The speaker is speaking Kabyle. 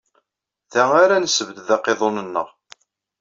Da ara nessebded aqiḍun-nneɣ.